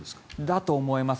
だと思います。